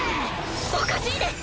おかしいです！